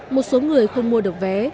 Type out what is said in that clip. một số người không mua được vé